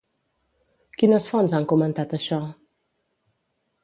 Quines fonts han comentat això?